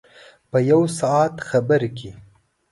په یو ساعت خبر کې.